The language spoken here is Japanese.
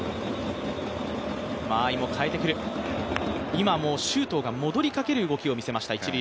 今、周東が戻りかける動きを見せました。